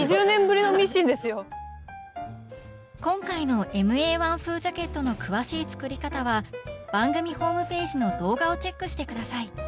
今回のＭＡ−１風ジャケットの詳しい作り方は番組ホームページの動画をチェックして下さい！